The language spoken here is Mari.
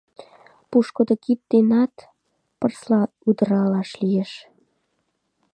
Пушкыдо кид денат пырысла удыралаш лиеш.